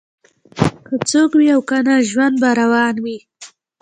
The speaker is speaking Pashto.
که څوک وي او کنه ژوند به روان وي